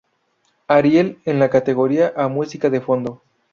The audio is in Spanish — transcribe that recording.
Ariel en la categoría a Música de Fondo